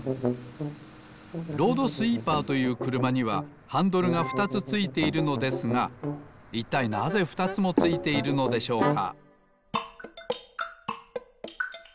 ロードスイーパーというくるまにはハンドルがふたつついているのですがいったいなぜふたつもついているのでしょうか？